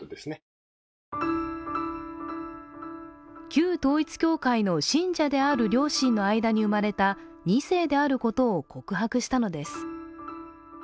旧統一教会の信者である両親の間に生まれた２世であることを告白したのです。